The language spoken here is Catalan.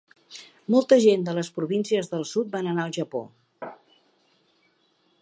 Molta gent de les províncies del sud va anar al Japó.